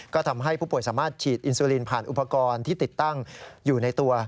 ก็ทำให้ผู้ป่วยสามารถฉีดอินซูลินผ่านอุปกรณ์ที่ติดตั้งอยู่ในตัว